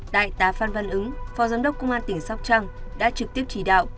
đại tá phan văn ứng phó giám đốc công an tỉnh sóc trăng đã trực tiếp chỉ đạo